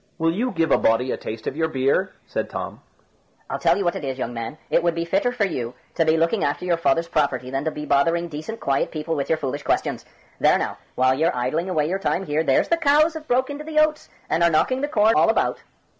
"Will you give a body a taste of your beer?" said Tom. "I'll tell you what it is, young man, it would be fitter for you to be looking after your father's property than to be bothering decent quiet people with your foolish questions. There now, while you're idling away your time here, there's the cows have broke into the oats, and are knocking the corn all about."